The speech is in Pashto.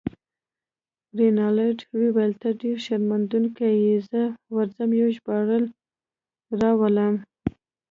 رینالډي وویل: ته ډیر شرمېدونکی يې، زه ورځم یو ژباړن راولم.